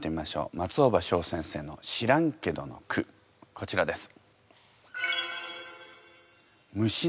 松尾葉翔先生の「知らんけど」の句こちらです。